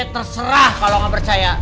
terserah kalau gak percaya